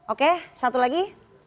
oke satu lagi